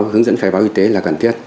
hướng dẫn khai báo y tế là cần thiết